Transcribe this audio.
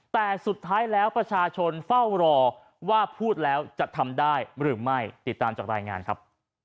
แต่สุดท้ายแล้วประชาชนเฝ้ารอว่าพูดแล้วจะทำได้หรือไม่ติดตามจากรายงานครับ